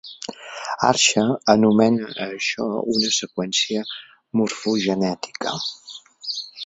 Archer anomena a això una seqüència morfogenètica.